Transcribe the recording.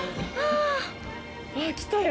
ああ、来たよ！